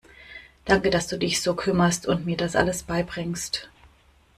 Danke, dass du dich so kümmerst und mir das alles beibringst.